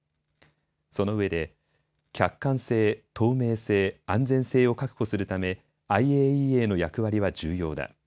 そのうえで客観性、透明性、安全性を確保するためＩＡＥＡの役割は重要だ。